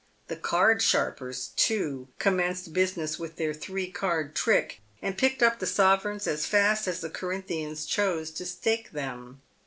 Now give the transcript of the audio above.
The card sharpers, too, commenced business with their three card trick, and picked up the sovereigns as fast as the Corin thians chose to stake them.